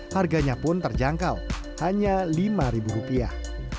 harganya pun terjangkau hanya lima ribu rupiah